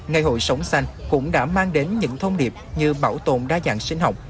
ngày hội sống xanh cũng đã mang đến những thông điệp như bảo tồn đa dạng sinh học